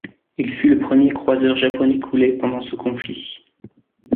Il fut le premier croiseur japonais coulé pendant ce conflit.